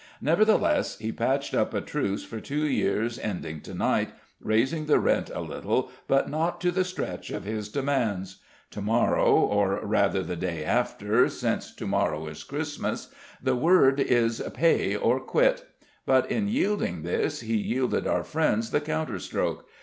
Nevertheless, he patched up a truce for two years ending to night, raising the rent a little, but not to the stretch of his demands. To morrow or, rather, the day after, since to morrow is Christmas the word is pay or quit. But in yielding this he yielded our friends the counterstroke.